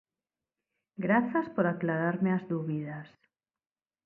¡Grazas por aclararme as dúbidas!